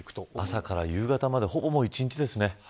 朝から夕方までほぼ１日ですね。